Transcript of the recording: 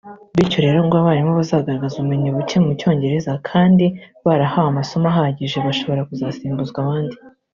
bityo rero ngo abarimu bazagaragaza ubumenyi bucye mu cyongereza kandi barahawe amasomo ahagije bashobora kuzasimbuzwa abandi